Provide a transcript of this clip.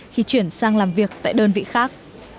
khi chuyển sang làm việc tại đơn vị khác